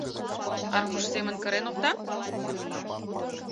Аркуш семын кырен опта?